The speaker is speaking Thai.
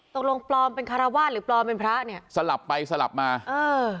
ปลอมเป็นคารวาสหรือปลอมเป็นพระเนี่ยสลับไปสลับมาเออ